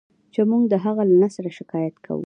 چې موږ د هغه له نثره شکایت کوو.